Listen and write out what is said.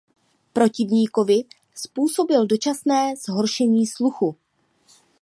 Protivníkovi způsobil dočasné zhoršení sluchu.